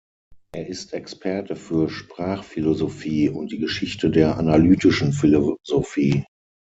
Er ist Experte für Sprachphilosophie und die Geschichte der Analytischen Philosophie.